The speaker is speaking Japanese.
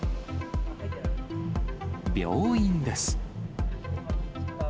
病院です。